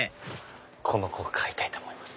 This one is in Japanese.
この子を買いたいと思います。